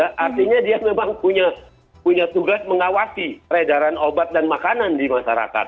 karena dia memang punya tugas mengawasi peredaran obat dan makanan di masyarakat